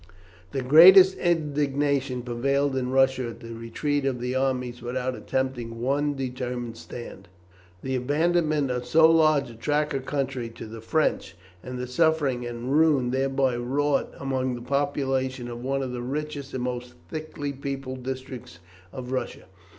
The greatest indignation prevailed in Russia at the retreat of the armies without attempting one determined stand, the abandonment of so large a tract of country to the French, and the suffering and ruin thereby wrought among the population of one of the richest and most thickly peopled districts of Russia.